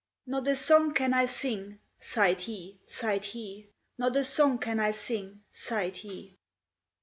" Not a song can I sing," sighed he, sighed he —" Not a song can I sing," sighed he.